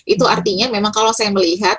itu artinya memang kalau saya melihat